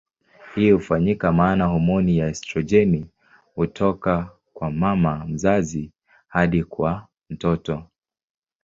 Hii hufanyika maana homoni ya estrojeni hutoka kwa mama mzazi hadi kwa mtoto.